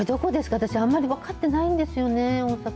私、あんまり分かってないんですよね、大阪。